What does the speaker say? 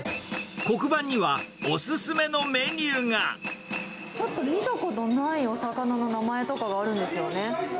黒板には、お勧めのメニューちょっと見たことないお魚の名前とがあるんですよね。